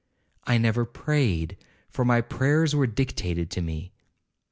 I never prayed, for my prayers were dictated to me.